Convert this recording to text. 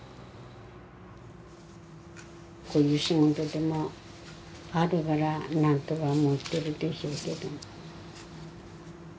こういう仕事でもあるから何とかもってるでしょうけど。